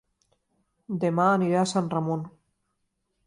Dema aniré a Sant Ramon